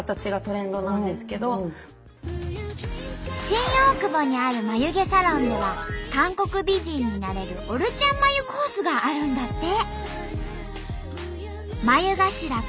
新大久保にある眉毛サロンでは韓国美人になれるオルチャン眉コースがあるんだって。